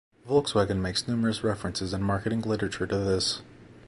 Volkswagen makes numerous references in marketing literature to this.